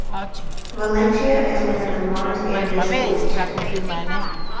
Valencia is within the Mars Area School District.